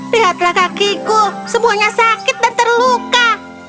lihatlah kakiku semuanya sakit dan terluka